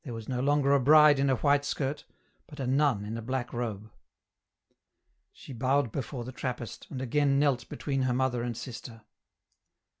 was no longer a bride in a white skirt, but a nun in a black robe. She bowed before the Trappist, and again knelt between her mother and sister.